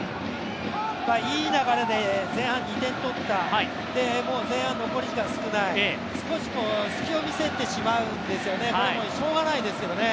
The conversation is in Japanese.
いい流れで前半２点取った、前半残り時間が少ない、少し隙を見せてしまうんですよね、これはしょうがないですけどね。